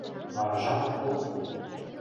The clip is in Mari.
Вара жапым огыт пу.